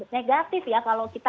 negatif ya kalau kita